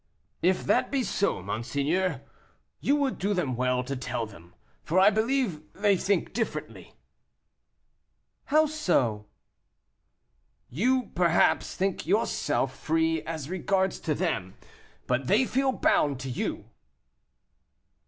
"If that be so, monseigneur, you would do well to tell them, for I believe they think differently." "How so?" "You, perhaps, think yourself free as regards them, but they feel bound to you."